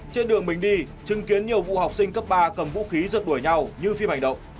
trên đường mình đi chứng kiến nhiều vụ học sinh cấp ba cầm vũ khí rượt đuổi nhau như phim ảnh động